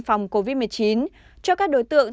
phòng covid một mươi chín cho các đối tượng